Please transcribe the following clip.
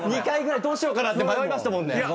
２回ぐらいどうしようかなって迷いましたもんね。